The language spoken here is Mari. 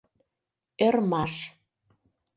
Ӧрмаш.